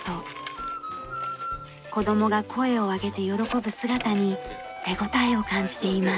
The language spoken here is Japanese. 子供が声を上げて喜ぶ姿に手応えを感じています。